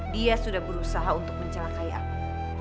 dia sudah berusaha untuk mencelakai aku